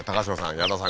矢田さん